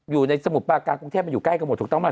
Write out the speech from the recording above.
อยู่ในสมุดปลาการกรุงเทพมันอยู่ใกล้กันหมดถูกต้องมาก